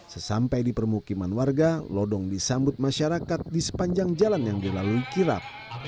sesampai di permukiman warga lodong disambut masyarakat di sepanjang jalan yang dilalui kirap